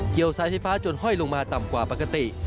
สายไฟฟ้าจนห้อยลงมาต่ำกว่าปกติ